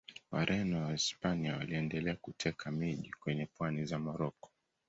Wareno wa Wahispania waliendelea kuteka miji kwenye pwani za Moroko.